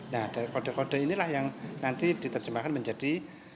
nah dari kode kode inilah yang nanti diterjemahkan menjadi